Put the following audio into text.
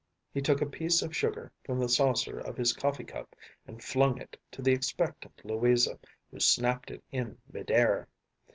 ‚ÄĚ He took a piece of sugar from the saucer of his coffee cup and flung it to the expectant Louisa, who snapped it in mid air.